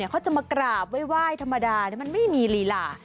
เขาจะมากราบไหว้ธรรมดามันไม่มีลีลา